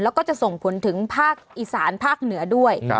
แล้วก็จะส่งผลถึงภาคอีสานภาคเหนือด้วย